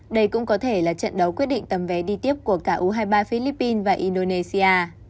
đây cũng có thể là trận đấu quyết định tầm vé đi tiếp của cả u hai mươi ba philippines và indonesia